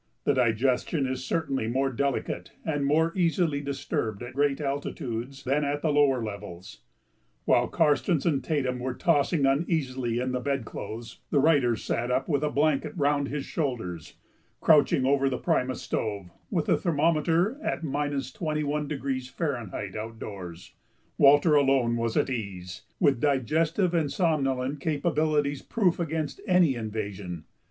The digestion is certainly more delicate and more easily disturbed at great altitudes than at the lower levels. While Karstens and Tatum were tossing uneasily in the bedclothes, the writer sat up with a blanket round his shoulders, crouching over the primus stove, with the thermometer at 21° F. outdoors. Walter alone was at ease, with digestive and somnolent capabilities proof against any invasion.